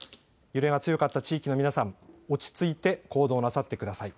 揺れが強かった地域の皆さん、落ち着いて行動なさってください。